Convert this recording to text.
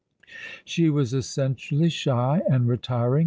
She was essentially shy and retiring.